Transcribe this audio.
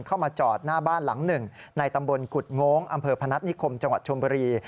เข้ามาจอดหน้าบ้านหลังหนึ่งในตำบลกุฎโง้งอำเภอพนัฐนิคมจังหวัดชมบุรี